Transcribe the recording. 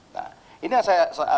nah ini yang saya